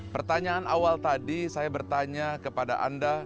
pertanyaan awal tadi saya bertanya kepada anda